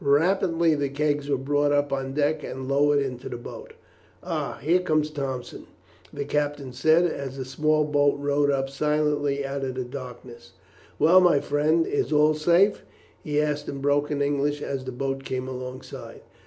Rapidly the kegs were brought up on deck and lowered into the boat. "Ah, here comes Thompson," the captain said, as a very small boat rowed up silently out of the darkness. "Well, my friend, is all safe?" he asked in broken English as the boat came alongside.